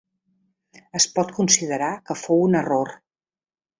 Es pot considerar que fou un error.